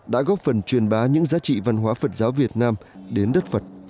đã góp phần truyền bá những giá trị văn hóa phật giáo việt nam đến đất phật